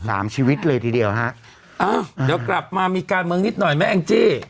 ชีวิตเลยทีเดียวฮะอ้าวเดี๋ยวกลับมามีการเมืองนิดหน่อยไหมแองจี้